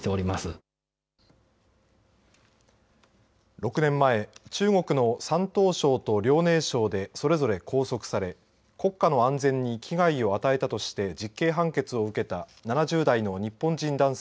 ６年前中国の山東省と遼寧省でそれぞれ拘束され国家の安全に危害を与えたとして実刑判決を受けた７０代の日本人男性